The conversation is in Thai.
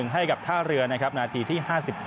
ให้กับท่าเรือนาทีที่๕๘